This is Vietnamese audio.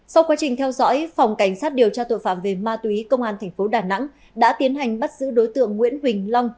sau quá trình theo dõi phòng cảnh sát điều tra tội phạm về ma túy công an tp đà nẵng đã tiến hành bắt giữ đối tượng nguyễn huỳnh long